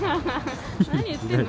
何言ってるの。